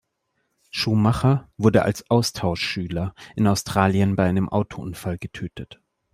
Schumacher wurde als Austauschschüler in Australien bei einem Autounfall getötet.